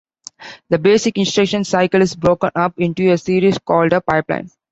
The basic instruction cycle is broken up into a series called a pipeline.